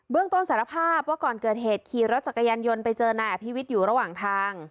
ต้นสารภาพว่าก่อนเกิดเหตุขี่รถจักรยานยนต์ไปเจอนายอภิวิตอยู่ระหว่างทาง